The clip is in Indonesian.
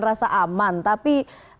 rasa aman tapi